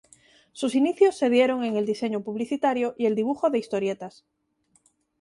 Sus inicios se dieron en el diseño publicitario y el dibujo de historietas.